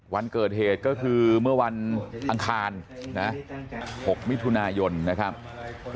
วันเกิดเหตุก็คือเมื่อวันอังคารนะ๖มิถุนายนนะครับ